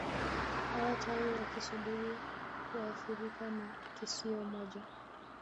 Hawa tai wakisubiri waathirika na kisio moja